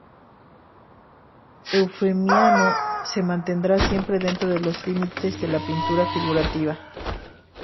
Eufemiano se mantendrá siempre dentro los límites de la pintura figurativa.